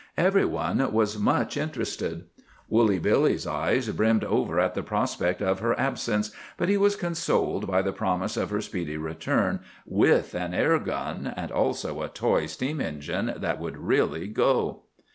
Every one was much interested. Woolly Billy's eyes brimmed over at the prospect of her absence, but he was consoled by the promise of her speedy return with an air gun and also a toy steam engine that would really go.